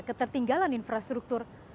yang ketiga sebagai perusahaan